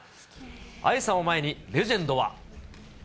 愛さんを前にレジェンドは。